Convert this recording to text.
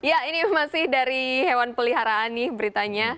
ya ini masih dari hewan peliharaan nih beritanya